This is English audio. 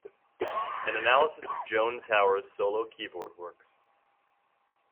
An analysis of Joan Tower's solo keyboard works.